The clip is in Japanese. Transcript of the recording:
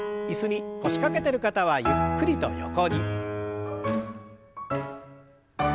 椅子に腰掛けてる方はゆっくりと横に。